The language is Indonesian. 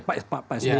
pak spi maksudnya